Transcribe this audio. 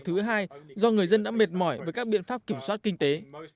thứ hai do người dân đã mệt mỏi với các biện pháp kiểm soát kinh tế